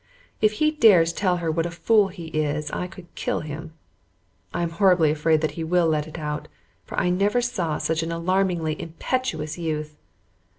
If he dares tell her what a fool he is I could kill him. I am horribly afraid that he will let it out, for I never saw such an alarmingly impetuous youth.